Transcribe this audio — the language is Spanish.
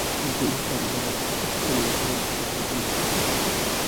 Entre ellos estaban algunos de los principales líderes de los partidos de la oposición.